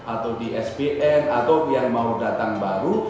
atau di spn atau yang mau datang baru